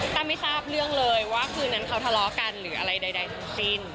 ก็ไม่ทราบเรื่องเลยว่าคืนนั้นเขาทะเลาะกันหรืออะไรใดเหมือนเฉพาะ